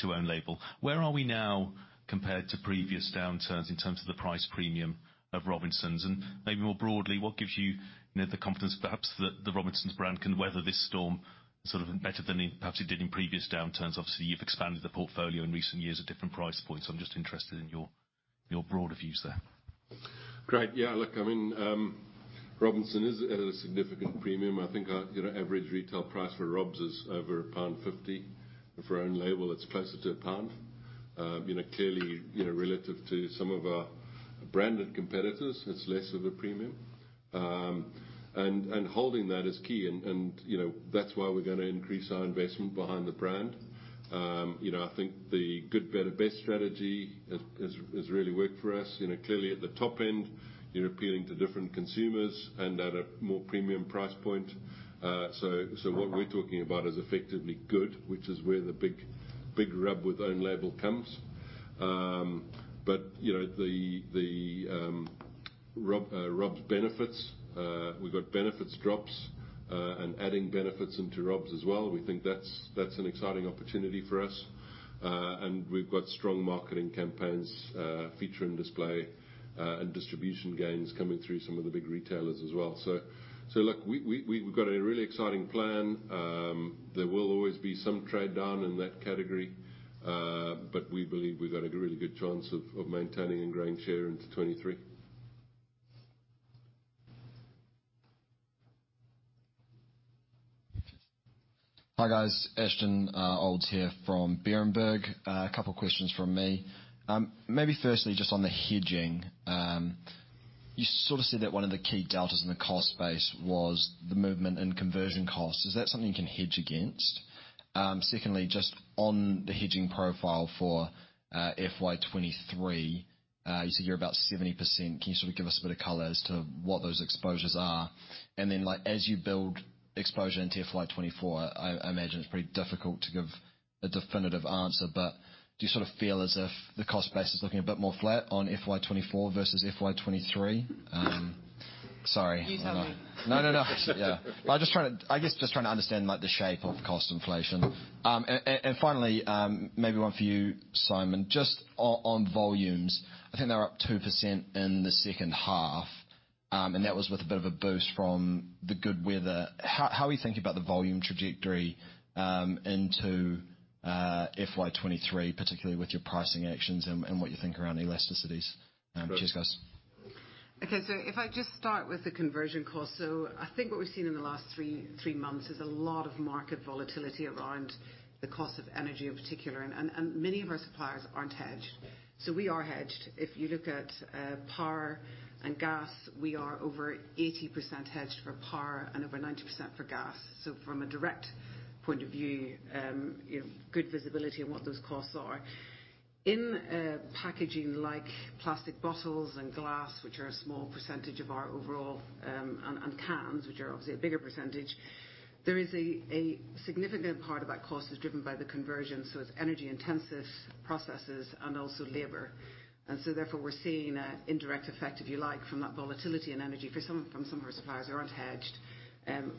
to own label. Where are we now compared to previous downturns in terms of the price premium of Robinsons? And maybe more broadly, what gives you know, the confidence perhaps that the Robinsons brand can weather this storm sort of better than it perhaps it did in previous downturns? Obviously, you've expanded the portfolio in recent years at different price points. I'm just interested in your broader views there. Great. Yeah, look, I mean, Robinsons is at a significant premium. I think our, you know, average retail price for Robs is over 1.50. For own label, it's closer to GBP 1. You know, clearly, you know, relative to some of our branded competitors, it's less of a premium. And holding that is key and, you know, that's why we're gonna increase our investment behind the brand. You know, I think the good, better, best strategy has really worked for us. You know, clearly at the top end, you're appealing to different consumers and at a more premium price point. So what we're talking about is effectively good, which is where the big rub with own label comes. You know, the Robinsons benefits, we've got benefits drops, and adding benefits into Robinsons as well. We think that's an exciting opportunity for us. We've got strong marketing campaigns, feature and display, and distribution gains coming through some of the big retailers as well. Look, we've got a really exciting plan. There will always be some trade down in that category, we believe we've got a really good chance of maintaining and growing share into 2023. Hi, guys. Ashton Olds here from Berenberg. A couple questions from me. Maybe firstly, just on the hedging. You sort of said that one of the key deltas in the cost base was the movement in conversion costs. Is that something you can hedge against? Secondly, just on the hedging profile for FY 23, you said you're about 70%. Can you sort of give us a bit of color as to what those exposures are? Like, as you build exposure into FY 24, I imagine it's pretty difficult to give a definitive answer, but do you sort of feel as if the cost base is looking a bit more flat on FY 24 versus FY 23? Sorry. You tell me. No, no. Yeah. I guess, just trying to understand, like, the shape of cost inflation. Finally, maybe one for you, Simon. Just on volumes, I think they're up 2% in the second half, and that was with a bit of a boost from the good weather. How are you thinking about the volume trajectory into FY 23, particularly with your pricing actions and what you think around elasticities? Right. Cheers, guys. If I just start with the conversion cost. I think what we've seen in the last three months is a lot of market volatility around the cost of energy in particular, and many of our suppliers aren't hedged. We are hedged. If you look at power and gas, we are over 80% hedged for power and over 90% for gas. From a direct point of view, you know, good visibility on what those costs are. In packaging like plastic bottles and glass, which are a small percentage of our overall, and cans, which are obviously a bigger percentage, there is a significant part of that cost is driven by the conversion, so it's energy intensive processes and also labor. Therefore, we're seeing an indirect effect, if you like, from that volatility in energy from some of our suppliers who aren't hedged,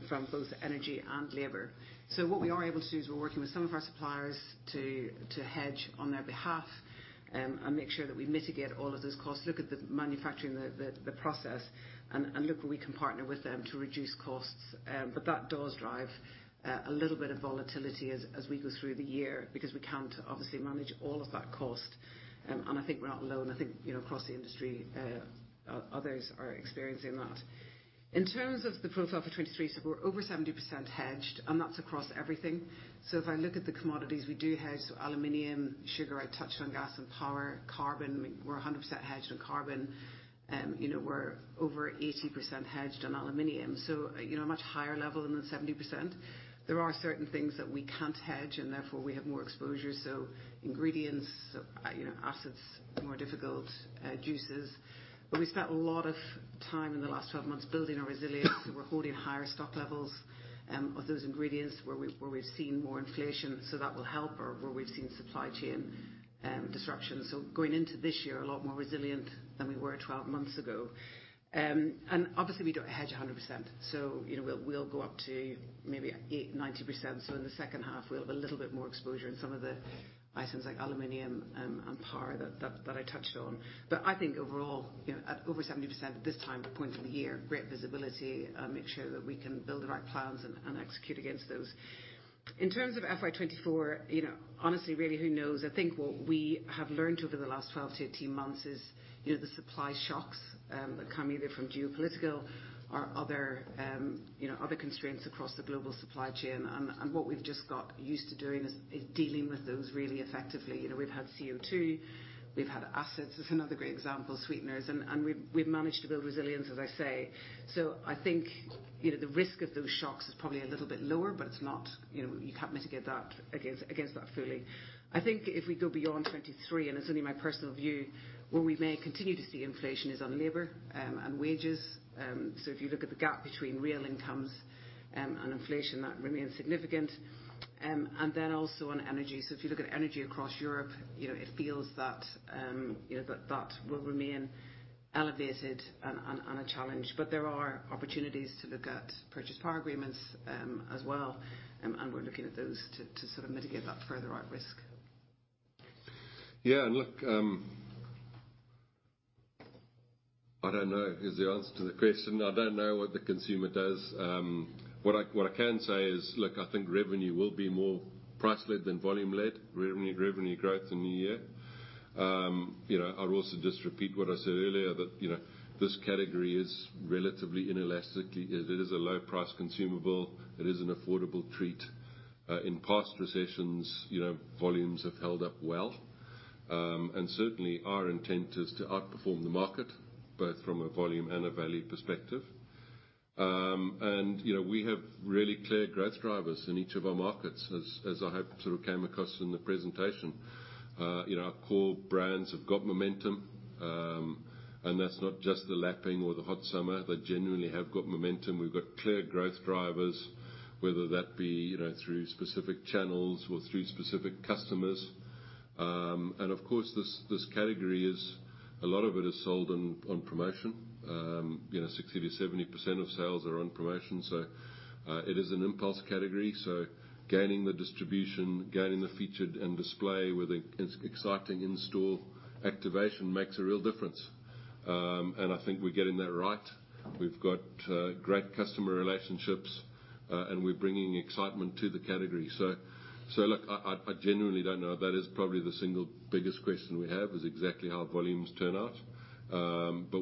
from both energy and labor. What we are able to do is we're working with some of our suppliers to hedge on their behalf, and make sure that we mitigate all of those costs, look at the manufacturing, the process, and look where we can partner with them to reduce costs. That does drive a little bit of volatility as we go through the year because we can't obviously manage all of that cost. I think we're not alone. I think, you know, across the industry, others are experiencing that. In terms of the profile for 23, we're over 70% hedged, that's across everything. If I look at the commodities we do hedge, aluminum, sugar, I touched on gas and power, carbon, we're 100% hedged on carbon. You know, we're over 80% hedged on aluminum, a much higher level than the 70%. There are certain things that we can't hedge and therefore we have more exposure, ingredients, you know, aspartame, more difficult, juices. We spent a lot of time in the last 12 months building our resilience, so we're holding higher stock levels of those ingredients where we've seen more inflation, so that will help, or where we've seen supply chain disruptions. Going into this year a lot more resilient than we were 12 months ago. And obviously, we don't hedge 100%. You know, we'll go up to maybe 80%, 90%. In the second half, we'll have a little bit more exposure in some of the items like aluminum and power that I touched on. I think overall, you know, at over 70% at this time point in the year, great visibility, make sure that we can build the right plans and execute against those. In terms of FY 2024, you know, honestly, really, who knows? I think what we have learned over the last 12-18 months is, you know, the supply shocks that come either from geopolitical or other, you know, other constraints across the global supply chain. What we've just got used to doing is dealing with those really effectively. You know, we've had CO2, we've had aspartame. That's another great example, sweeteners. We've managed to build resilience, as I say. I think, you know, the risk of those shocks is probably a little bit lower, but it's not, you know, you can't mitigate that against that fully. I think if we go beyond 2023, and it's only my personal view, where we may continue to see inflation is on labor and wages. If you look at the gap between real incomes and inflation, that remains significant. Also on energy. If you look at energy across Europe, you know, it feels that, you know, that that will remain elevated and a challenge. There are opportunities to look at Power Purchase Agreements as well, and we're looking at those to sort of mitigate that further out risk. Yeah. Look, I don't know is the answer to the question. I don't know what the consumer does. What I, what I can say is, look, I think revenue will be more price led than volume led, revenue growth in the year. You know, I'll also just repeat what I said earlier, that, you know, this category is relatively inelastically... It is a low price consumable. It is an affordable treat. In past recessions, you know, volumes have held up well. Certainly our intent is to outperform the market both from a volume and a value perspective. You know, we have really clear growth drivers in each of our markets as I hope sort of came across in the presentation. You know, our core brands have got momentum. That's not just the lapping or the hot summer, they genuinely have got momentum. We've got clear growth drivers, whether that be, you know, through specific channels or through specific customers. Of course, this category is a lot of it is sold on promotion. You know, 60%-70% of sales are on promotion, it is an impulse category. Gaining the distribution, gaining the featured and display with an exciting in-store activation makes a real difference. I think we're getting that right. We've got great customer relationships, we're bringing excitement to the category. Look, I genuinely don't know. That is probably the single biggest question we have is exactly how volumes turn out.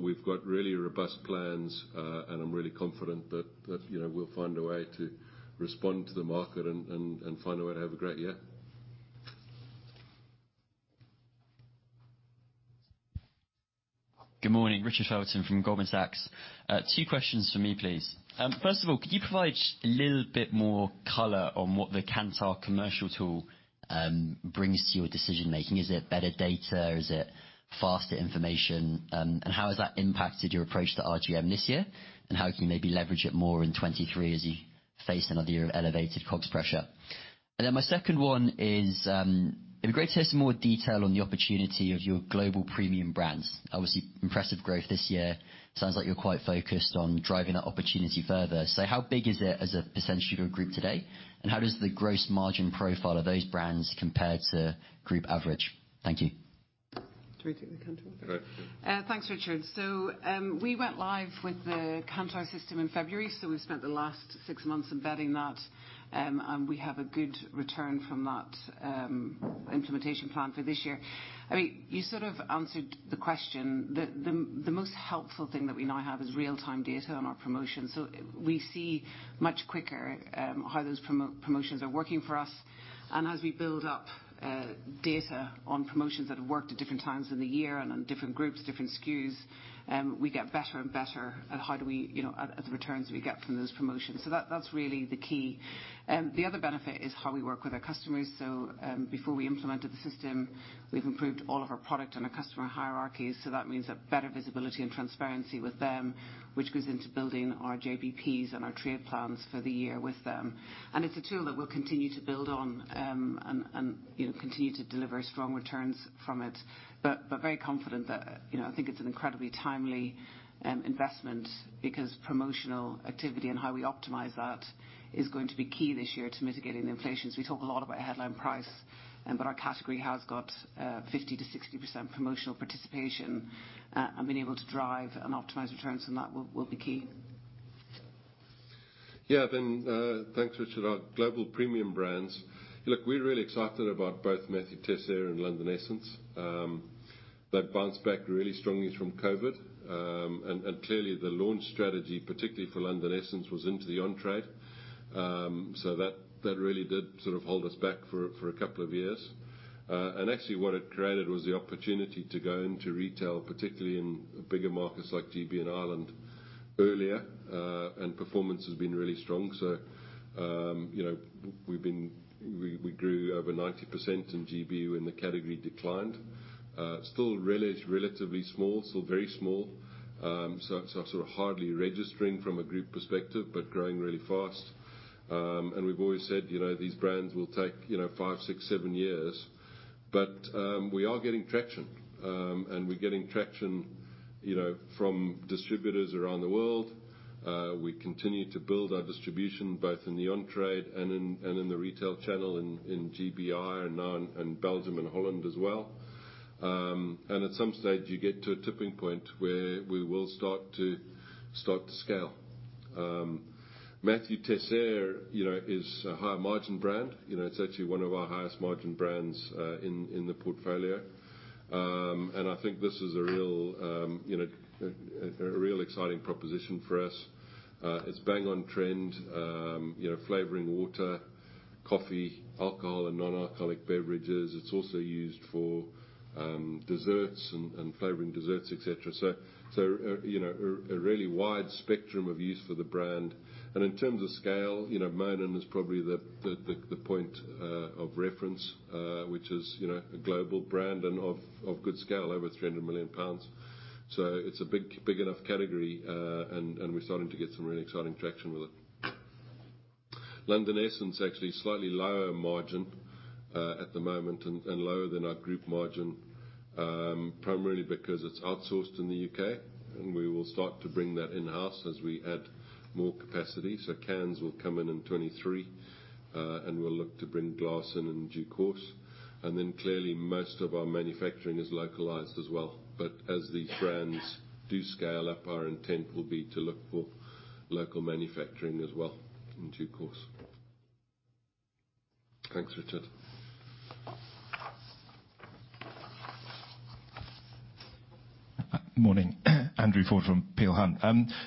We've got really robust plans, and I'm really confident that, you know, we'll find a way to respond to the market and find a way to have a great year. Good morning. Richard Felton from Goldman Sachs. Two questions from me, please. First of all, could you provide a little bit more color on what the Kantar commercial tool brings to your decision making? Is it better data? Is it faster information? How has that impacted your approach to RGM this year? How can you maybe leverage it more in 23 as you face another year of elevated COGS pressure? My second one is, it'd be great to hear some more detail on the opportunity of your global premium brands. Obviously, impressive growth this year. Sounds like you're quite focused on driving that opportunity further. How big is it as a % of your group today? How does the gross margin profile of those brands compare to group average? Thank you. Do you want to take the Kantar one? Go ahead. Thanks, Richard. We went live with the Kantar system in February, so we've spent the last 6 months embedding that, and we have a good return from that implementation plan for this year. I mean, you sort of answered the question. The most helpful thing that we now have is real-time data on our promotions. We see much quicker how those promotions are working for us. As we build up data on promotions that have worked at different times in the year and on different groups, different SKUs, we get better and better at how do we, you know, at the returns we get from those promotions. That's really the key. The other benefit is how we work with our customers. Before we implemented the system, we've improved all of our product and our customer hierarchies, so that means a better visibility and transparency with them, which goes into building our JBPs and our trade plans for the year with them. It's a tool that we'll continue to build on, and, you know, continue to deliver strong returns from it. Very confident that, you know, I think it's an incredibly timely investment because promotional activity and how we optimize that is going to be key this year to mitigating the inflation. We talk a lot about headline price, but our category has got 50%-60% promotional participation. Being able to drive and optimize returns from that will be key. Thanks, Richard. Our global premium brands. Look, we're really excited about both Mathieu Teisseire and London Essence. They've bounced back really strongly from COVID. Clearly the launch strategy, particularly for London Essence, was into the on-trade. That really did sort of hold us back for a couple of years. Actually what it created was the opportunity to go into retail, particularly in bigger markets like GB and Ireland earlier, performance has been really strong. You know, we grew over 90% in GBU when the category declined. Still relatively small, still very small. Sort of hardly registering from a group perspective, growing really fast. We've always said, you know, these brands will take, you know, five, six, seven years. We are getting traction. And we're getting traction, you know, from distributors around the world. We continue to build our distribution both in the on-trade and in the retail channel in GBIR, and now in Belgium and Holland as well. And at some stage, you get to a tipping point where we will start to scale. Mathieu Teisseire, you know, is a high margin brand. You know, it's actually one of our highest margin brands in the portfolio. And I think this is a real, you know, a real exciting proposition for us. It's bang on trend, you know, flavoring water, coffee, alcohol and non-alcoholic beverages. It's also used for desserts and flavoring desserts, et cetera. You know, a really wide spectrum of use for the brand. In terms of scale, you know, Monin is probably the point of reference, which is, you know, a global brand and of good scale, over 300 million pounds. It's a big enough category, and we're starting to get some really exciting traction with it. London Essence, actually slightly lower margin at the moment and lower than our group margin, primarily because it's outsourced in the UK, and we will start to bring that in-house as we add more capacity. Cans will come in in 23, and we'll look to bring glass in in due course. Then clearly, most of our manufacturing is localized as well. As these brands do scale up, our intent will be to look for local manufacturing as well in due course. Thanks, Richard. Morning Andrew Ford from Peel Hunt.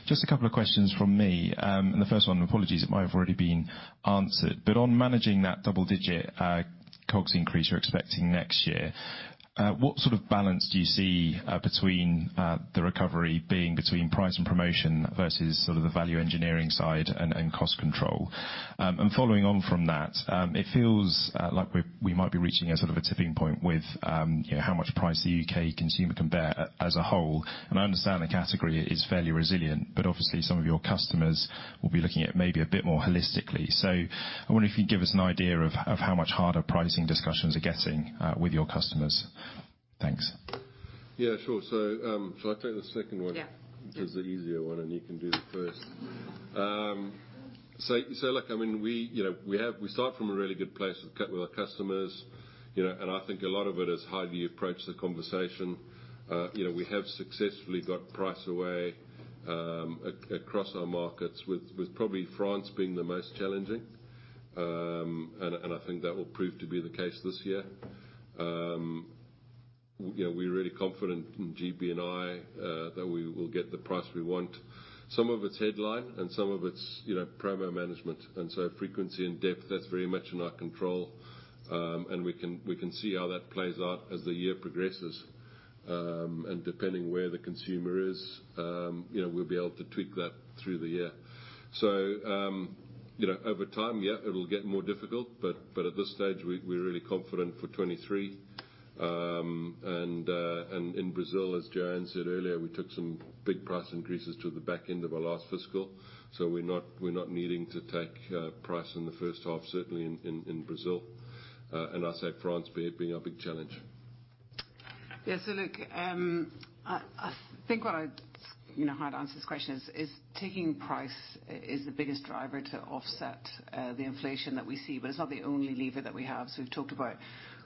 Just a couple of questions from me. The first one, apologies it might have already been answered. On managing that double-digit costs increase you're expecting next year, what sort of balance do you see between the recovery being between price and promotion versus sort of the value engineering side and cost control? Following on from that, it feels like we might be reaching a sort of a tipping point with, you know, how much price the UK consumer can bear as a whole. I understand the category is fairly resilient, but obviously some of your customers will be looking at maybe a bit more holistically. I wonder if you can give us an idea of how much harder pricing discussions are getting with your customers. Thanks. Yeah, sure. Shall I take the second one? Yeah. The easier one, and you can do the first. So look, I mean, we, you know, we have... We start from a really good place with our customers, you know. I think a lot of it is how do you approach the conversation. You know, we have successfully got price away across our markets, with probably France being the most challenging. I think that will prove to be the case this year. We're really confident in GBNI that we will get the price we want. Some of it's headline and some of it's, you know, promo management. So frequency and depth, that's very much in our control. We can see how that plays out as the year progresses. Depending where the consumer is, you know, we'll be able to tweak that through the year. You know, over time, yeah, it'll get more difficult, but at this stage, we're really confident for 2023. In Brazil, as Joanne said earlier, we took some big price increases to the back end of our last fiscal. We're not needing to take price in the first half, certainly in Brazil. As said France being our big challenge. Yeah. Look, I think, you know, hard to answer this question is taking price is the biggest driver to offset the inflation that we see, but it's not the only lever that we have. We've talked about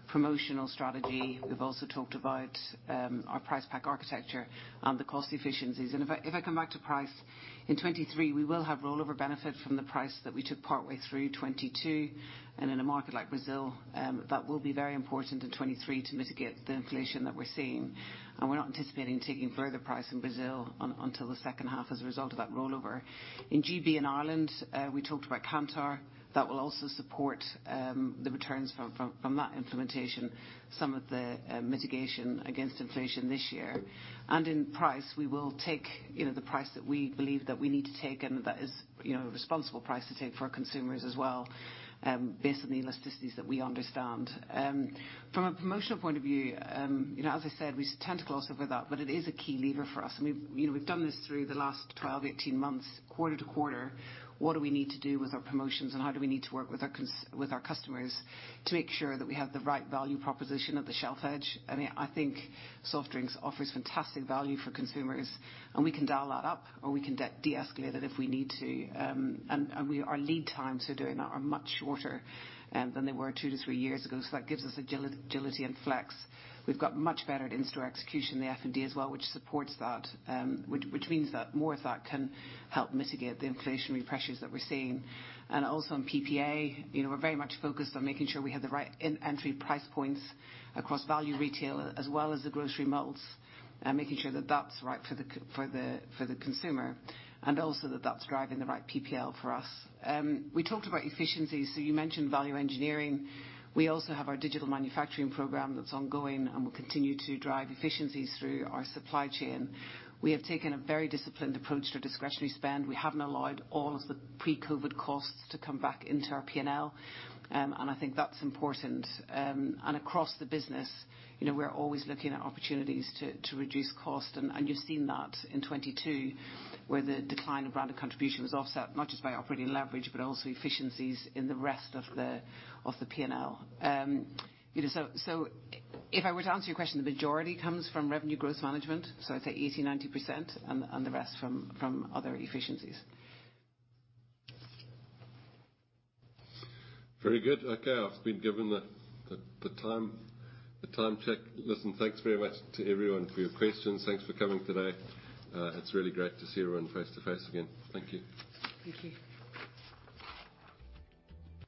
promotional strategy, we've also talked about our price pack architecture and the cost efficiencies. If I come back to price, in 23, we will have rollover benefit from the price that we took partway through 22. In a market like Brazil, that will be very important in 23 to mitigate the inflation that we're seeing. We're not anticipating taking further price in Brazil until the second half as a result of that rollover. In GB and Ireland, we talked about Kantar. That will also support the returns from that implementation, some of the mitigation against inflation this year. In price, we will take, you know, the price that we believe that we need to take, and that is, you know, a responsible price to take for our consumers as well, based on the elasticities that we understand. From a promotional point of view, you know, as I said, we tend to gloss over that, but it is a key lever for us. We've, you know, we've done this through the last 12-18 months, quarter to quarter. What do we need to do with our promotions, and how do we need to work with our customers to make sure that we have the right value proposition at the shelf edge? I mean, I think soft drinks offers fantastic value for consumers, we can dial that up or we can deescalate it if we need to. Our lead times for doing that are much shorter than they were 2-3 years ago. That gives us agility and flex. We've got much better at in-store execution, the F&D as well, which supports that. Which means that more of that can help mitigate the inflationary pressures that we're seeing. Also on PPA, you know, we're very much focused on making sure we have the right entry price points across value retail as well as the grocery models, making sure that that's right for the consumer, and also that that's driving the right PPL for us. We talked about efficiencies, you mentioned value engineering. We also have our digital manufacturing program that's ongoing and will continue to drive efficiencies through our supply chain. We have taken a very disciplined approach to discretionary spend. We haven't allowed all of the pre-COVID costs to come back into our P&L, and I think that's important. Across the business, you know, we're always looking at opportunities to reduce cost, and you've seen that in 22, where the decline of branded contribution was offset not just by operating leverage, but also efficiencies in the rest of the P&L. You know, so if I were to answer your question, the majority comes from revenue growth management, so I'd say 80%, 90%, and the rest from other efficiencies. Very good. Okay, I've been given the time check. Listen, thanks very much to everyone for your questions. Thanks for coming today. It's really great to see everyone face-to-face again. Thank you. Thank you.